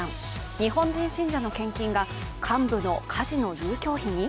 日本人信者の献金が幹部のカジノ遊興費に？